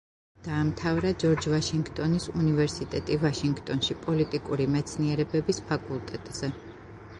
დაამთავრა ჯორჯ ვაშინგტონის უნივერსიტეტი ვაშინგტონში პოლიტიკური მეცნიერებების ფაკულტეტზე.